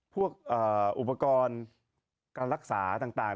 พวกอุปกรณ์การรักษาต่าง